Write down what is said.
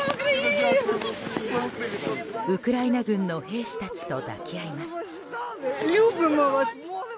ウクライナ軍の兵士たちと抱き合います。